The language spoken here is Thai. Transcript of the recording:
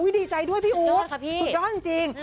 ดีใจด้วยพี่อู๊ดสุดยอดจริง